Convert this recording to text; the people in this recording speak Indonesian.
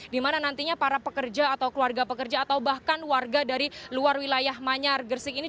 di mana nantinya para pekerja atau keluarga pekerja atau bahkan warga dari luar wilayah manyar gersik ini